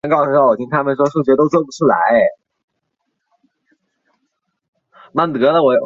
一个对湖泊的碳预算的测试可以检测这个湖泊是否起到了沉淀二氧化碳的作用。